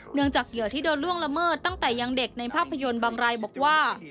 เนื่องจากเหยื่อที่โดนล่วงละเมิดตั้งแต่ยังเด็กในภาพยนตร์บางรายบอกว่า